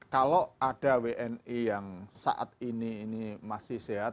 kalau ada wni yang saat ini ini masih sehat